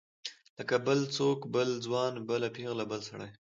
لکه بل څوک بل ځوان بله پیغله بل سړی.